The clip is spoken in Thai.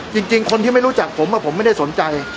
จริงคนที่ไม่รู้จักผมผมไม่ได้สนใจ